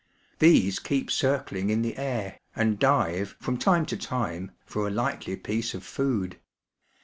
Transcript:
These keep circling in the air, imd dive from time to time for a likely piece of food.